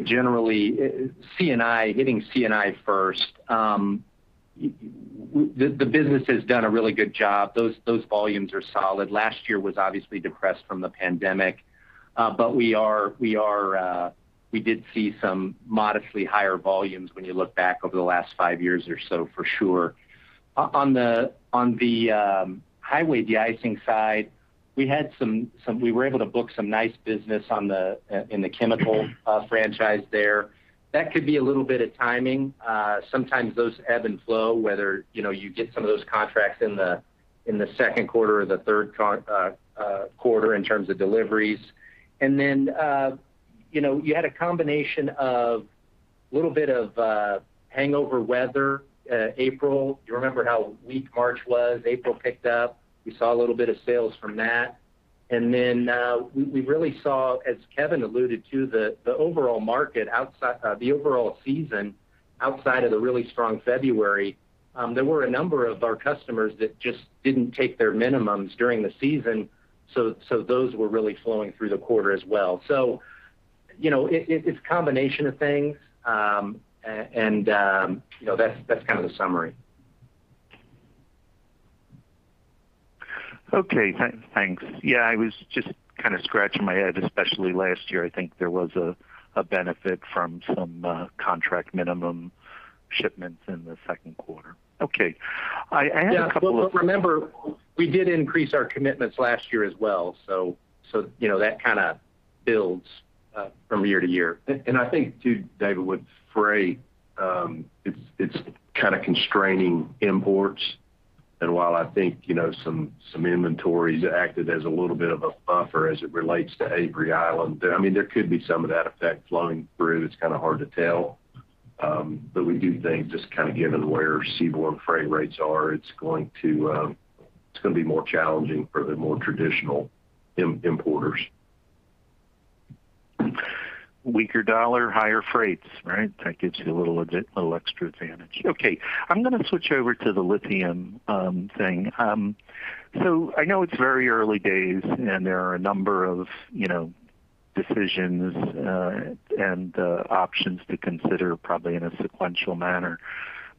generally, hitting C&I first. The business has done a really good job. Those volumes are solid. Last year was obviously depressed from the pandemic. We did see some modestly higher volumes when you look back over the last five years or so, for sure. On the Highway Deicing side, we were able to book some nice business in the chemical franchise there. That could be a little bit of timing. Sometimes those ebb and flow, whether you get some of those contracts in the second quarter or the third quarter in terms of deliveries. You had a combination of a little bit of hangover weather April. You remember how weak March was, April picked up. We saw a little bit of sales from that. We really saw, as Kevin alluded to, the overall season, outside of the really strong February, there were a number of our customers that just didn't take their minimums during the season. Those were really flowing through the quarter as well. It's a combination of things, and that's kind of the summary. Okay, thanks. Yeah, I was just kind of scratching my head, especially last year. I think there was a benefit from some contract minimum shipments in the second quarter. Okay. Yeah. Well, remember, we did increase our commitments last year as well. That kind of builds from year-to-year. I think too, David, with freight, it's kind of constraining imports. While I think some inventories acted as a little bit of a buffer as it relates to Avery Island. There could be some of that effect flowing through. It's kind of hard to tell. We do think just kind of given where seaborne freight rates are, it's going to be more challenging for the more traditional importers. Weaker dollar, higher freights, right? That gives you a little extra advantage. Okay. I'm going to switch over to the lithium thing. I know it's very early days, and there are a number of decisions and options to consider, probably in a sequential manner.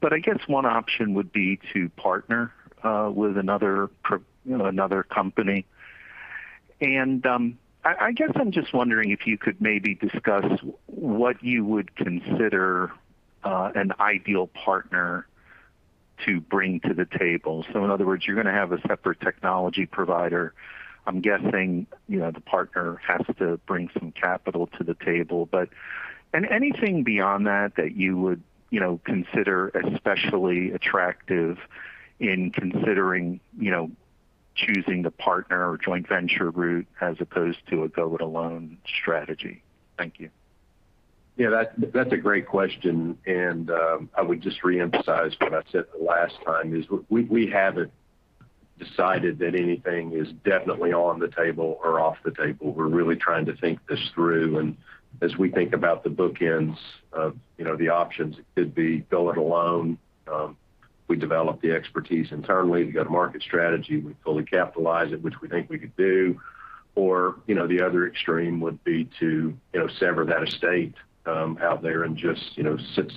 I guess one option would be to partner with another company. I guess I'm just wondering if you could maybe discuss what you would consider an ideal partner to bring to the table. In other words, you're going to have a separate technology provider. I'm guessing the partner has to bring some capital to the table. Anything beyond that you would consider especially attractive in considering choosing the partner or joint venture route as opposed to a go it alone strategy? Thank you. Yeah, that's a great question. I would just reemphasize what I said the last time is we haven't decided that anything is definitely on the table or off the table. We're really trying to think this through. As we think about the bookends of the options, it could be go it alone. We develop the expertise internally. We've got a market strategy. We fully capitalize it, which we think we could do. The other extreme would be to sever that estate out there and just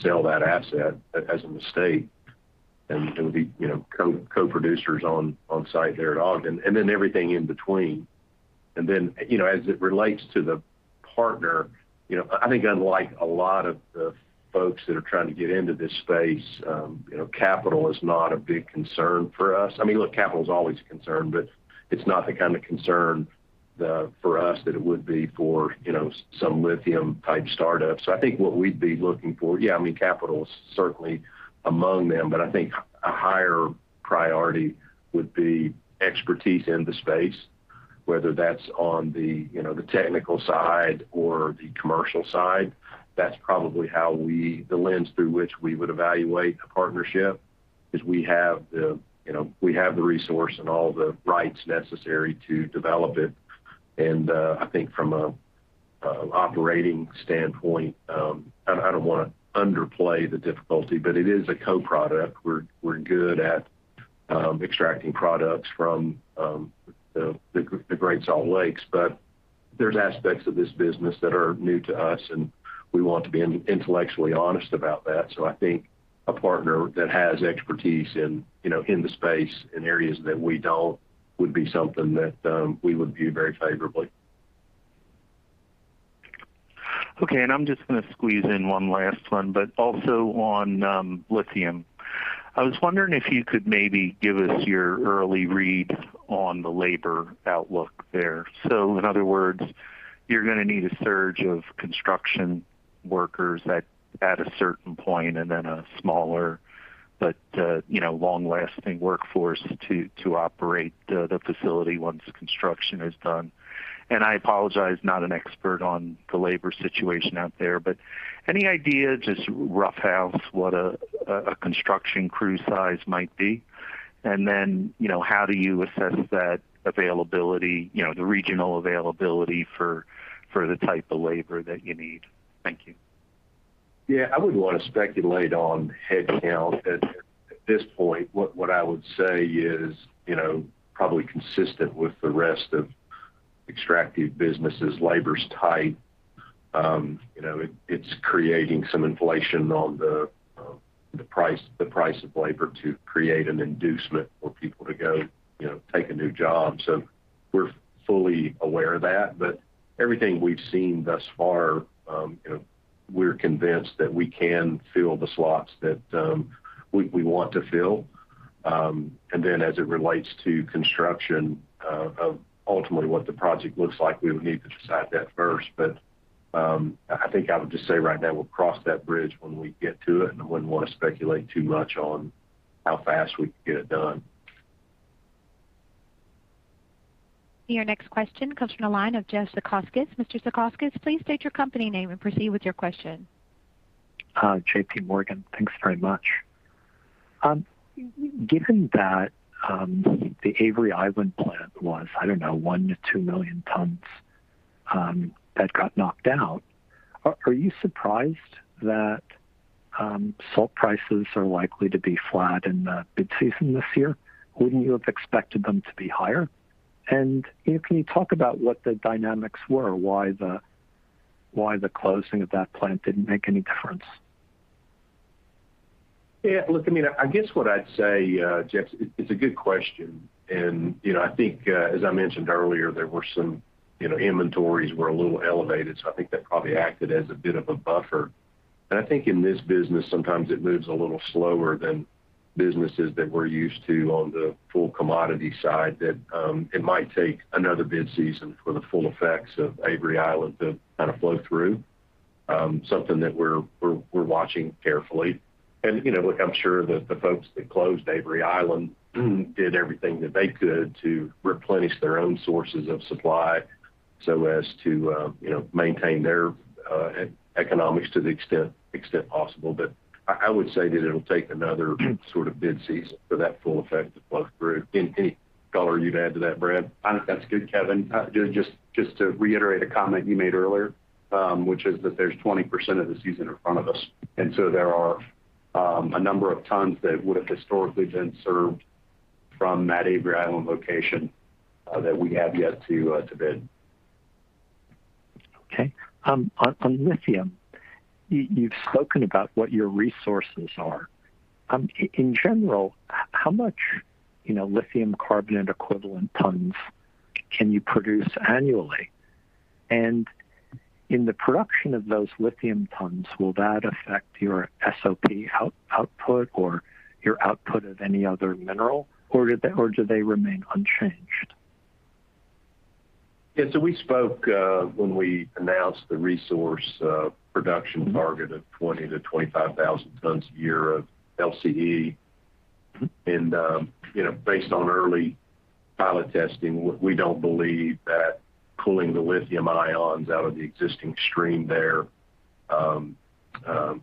sell that asset as an estate, and be co-producers on site there at Ogden. Then everything in between. Then, as it relates to the partner, I think unlike a lot of the folks that are trying to get into this space, capital is not a big concern for us. Capital is always a concern, it's not the kind of concern for us that it would be for some lithium-type startups. I think what we'd be looking for, yeah, capital is certainly among them, I think a higher priority would be expertise in the space, whether that's on the technical side or the commercial side. That's probably the lens through which we would evaluate a partnership is we have the resource and all the rights necessary to develop it. I think from an operating standpoint, I don't want to underplay the difficulty, it is a co-product. We're good at extracting products from the Great Salt Lakes. There's aspects of this business that are new to us, we want to be intellectually honest about that. I think a partner that has expertise in the space in areas that we don't, would be something that we would view very favorably. Okay. I'm just going to squeeze in one last one, but also on lithium. I was wondering if you could maybe give us your early read on the labor outlook there. In other words, you're going to need a surge of construction workers at a certain point, and then a smaller but long-lasting workforce to operate the facility once construction is done. I apologize, not an expert on the labor situation out there, but any idea, just rough house what a construction crew size might be? Then, how do you assess that availability, the regional availability for the type of labor that you need? Thank you. Yeah, I wouldn't want to speculate on headcount at this point. What I would say is probably consistent with the rest of extractive businesses, labor's tight. It's creating some inflation on the price of labor to create an inducement for people to go take a new job. We're fully aware of that. Everything we've seen thus far, we're convinced that we can fill the slots that we want to fill. As it relates to construction of ultimately what the project looks like, we would need to decide that first. I think I would just say right now we'll cross that bridge when we get to it, and I wouldn't want to speculate too much on how fast we can get it done. Your next question comes from the line of Jeff Zekauskas. Mr. Zekauskas, please state your company name and proceed with your question. JPMorgan, thanks very much. Given that the Avery Island plant was, I don't know, 1 million tons-2 million tons that got knocked out, are you surprised that Salt prices are likely to be flat in the bid season this year? Wouldn't you have expected them to be higher? Can you talk about what the dynamics were, why the closing of that plant didn't make any difference? I guess what I'd say, Jeff, it's a good question, and I think as I mentioned earlier, there were some inventories were a little elevated, so I think that probably acted as a bit of a buffer. I think in this business, sometimes it moves a little slower than businesses that we're used to on the full commodity side, that it might take another bid season for the full effects of Avery Island to kind of flow through. Something that we're watching carefully. Look, I'm sure that the folks that closed Avery Island did everything that they could to replenish their own sources of supply so as to maintain their economics to the extent possible. I would say that it'll take another sort of bid season for that full effect to flow through. Any color you'd add to that, Brad? I think that's good, Kevin. Just to reiterate a comment you made earlier, which is that there's 20% of the season in front of us. There are a number of tons that would have historically been served from that Avery Island location that we have yet to bid. Okay. On lithium, you've spoken about what your resources are. In general, how much lithium carbonate equivalent tons can you produce annually? In the production of those lithium tons, will that affect your SOP output or your output of any other mineral? Do they remain unchanged? Yeah. We spoke when we announced the resource production target of 20,000 tons-25,000 tons a year of LCE. Based on early pilot testing, we don't believe that pulling the lithium ions out of the existing stream there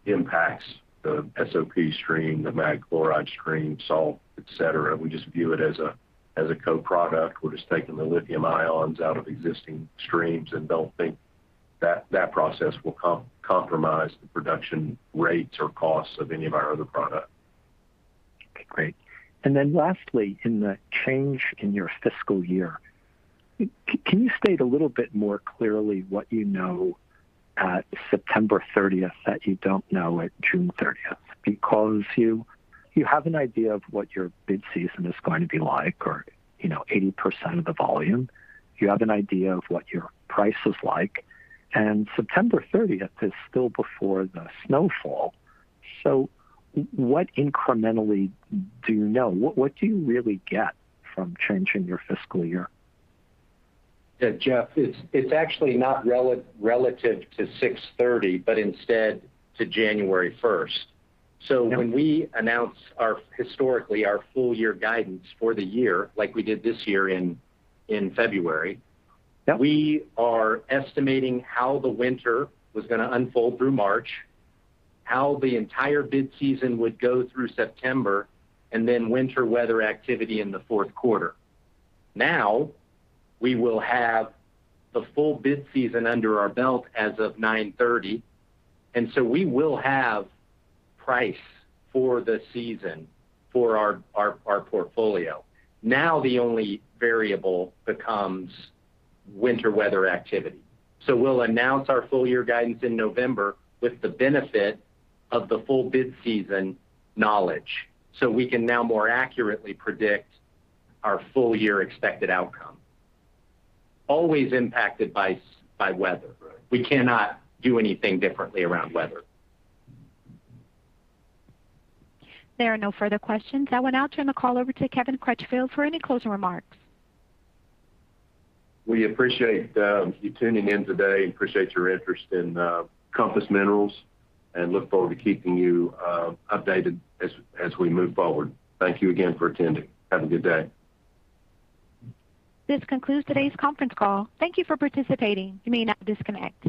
impacts the SOP stream, the mag chloride stream, salt, et cetera. We just view it as a co-product. We're just taking the lithium ions out of existing streams and don't think that process will compromise the production rates or costs of any of our other product. Okay, great. Lastly, in the change in your fiscal year, can you state a little bit more clearly what you know at September 30th that you don't know at June 30th? You have an idea of what your bid season is going to be like or 80% of the volume. You have an idea of what your price is like, and September 30th is still before the snowfall. What incrementally do you know? What do you really get from changing your fiscal year? Yeah, Jeff, it's actually not relative to June 30, but instead to January 1st. Yeah. When we announce historically our full-year guidance for the year, like we did this year in February. Yep We are estimating how the winter was going to unfold through March, how the entire bid season would go through September, and then winter weather activity in the fourth quarter. We will have the full bid season under our belt as of 9/30. We will have price for the season for our portfolio. The only variable becomes winter weather activity. We'll announce our full-year guidance in November with the benefit of the full bid season knowledge. We can now more accurately predict our full-year expected outcome. Always impacted by weather. Right. We cannot do anything differently around weather. There are no further questions. I will now turn the call over to Kevin Crutchfield for any closing remarks. We appreciate you tuning in today and appreciate your interest in Compass Minerals, and look forward to keeping you updated as we move forward. Thank you again for attending. Have a good day. This concludes today's conference call. Thank you for participating. You may now disconnect.